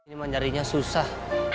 ini menjarinya susah